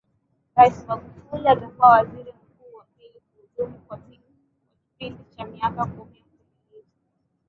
rais Magufuli atakuwa Waziri Mkuu wa pili kuhudumu kwa kipindi cha miaka kumi mfululizo